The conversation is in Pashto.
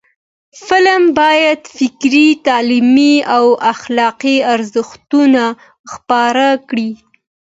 فلم باید فکري، تعلیمي او اخلاقی ارزښتونه خپاره کړي